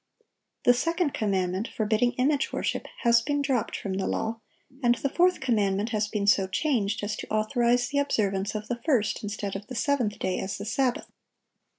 The second commandment, forbidding image worship, has been dropped from the law, and the fourth commandment has been so changed as to authorize the observance of the first instead of the seventh day as the Sabbath.